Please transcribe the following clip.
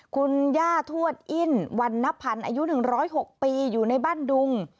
คุณย่าทวดอิ้นวันนพันธ์อายุ๑๐๖ปีอยู่ในบ้านดุง